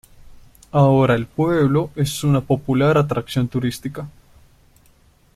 Ahora el pueblo es una popular atracción turística.